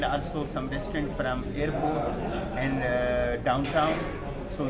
dan juga beberapa restoran dari airport dan perusahaan di bawah